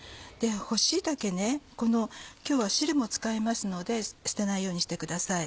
干し椎茸ね今日は汁も使いますので捨てないようにしてください。